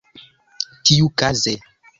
tiukaze